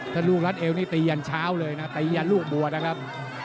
ถ้าลูกรัดเอวนี่ตียันเช้าเลยนะตียันลูกบัวนะครับ